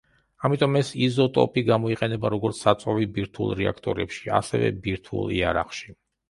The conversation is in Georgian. ამიტომ ეს იზოტოპი გამოიყენება როგორც საწვავი ბირთვულ რეაქტორებში, ასევე ბირთვულ იარაღში.